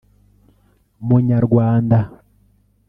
“Munyarwanda